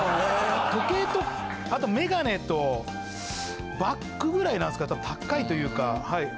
時計とあと眼鏡とバッグぐらいなんですけど高いというか。